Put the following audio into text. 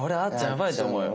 ヤバいと思うよ。